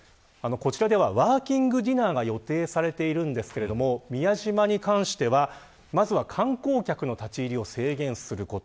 こちらではワーキングディナーが予定されているんですけれども宮島に関してはまずは観光客の立ち入りを制限すること